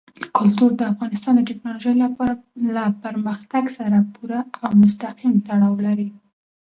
کلتور د افغانستان د تکنالوژۍ له پرمختګ سره پوره او مستقیم تړاو لري.